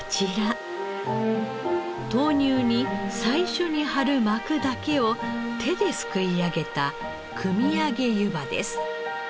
豆乳に最初に張る膜だけを手ですくい上げたくみあげ湯葉です。